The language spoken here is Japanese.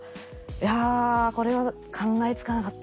「いやこれは考えつかなかったわ」みたいな。